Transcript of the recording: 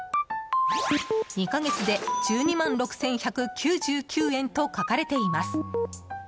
２か月で１２万６１９９円と書かれています。